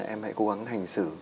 em hãy cố gắng hành xử